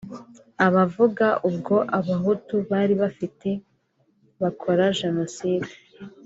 aba avuga ubwo abahutu bari bafite bakora Genocide